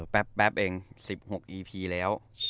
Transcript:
แป๊บเอง๑๖อีพีแล้ว